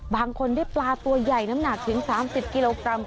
บางคนได้ปลาตัวใหญ่น้ำหนักถึง๓๐กิโลกรัม